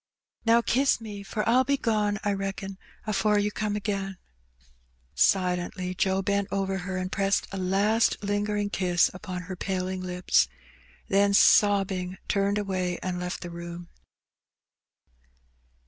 Now kiss me, for 1*11 be gone, I reckon, afore you come again. Fading Away. 129 Silently Joe bent over her, and pressed a last lingering kiss upon her paling lips. Then sobbing, turned away and left the room.